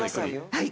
はい。